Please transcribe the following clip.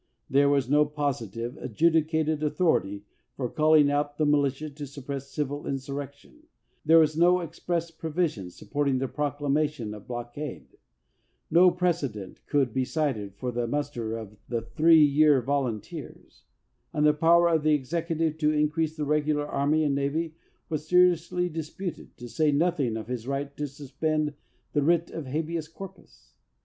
There was no positive, adjudicated authority for calling out the militia to suppress civil insurrec tion; there was no express provision supporting 300 AS PRESIDENT the proclamation of blockade ; no precedent could be cited for the muster of the three year volun teers ; and the power of the executive to increase the regular army and navy was seriously disputed, to say nothing of his right to suspend the writ of habeas corpus.